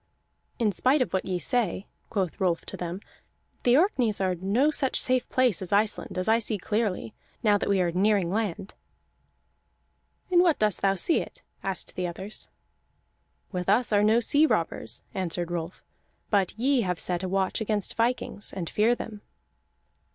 "In spite of what ye say," quoth Rolf to them, "the Orkneys are no such safe place as Iceland, as I see clearly, now that we are nearing land." "In what dost thou see it?" asked the others. "With us are no sea robbers," answered Rolf, "but ye have set a watch against vikings, and fear them."